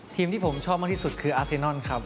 ทีมที่ผมชอบมากที่สุดคืออาเซนอนครับ